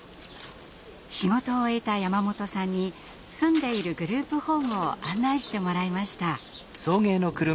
仕事を終えた山本さんに住んでいるグループホームを案内してもらいました。